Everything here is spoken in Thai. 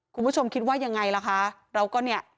คุณผู้ชมคิดว่ายังไงล่ะคะเราก็เนี่ย